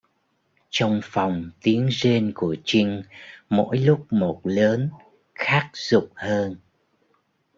Trong phòng tiếng rên của trinh mỗi lúc một lớn khát dục hơn